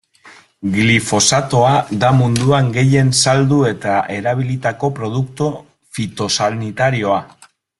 Glifosatoa da munduan gehien saldu eta erabilitako produktu fitosanitarioa.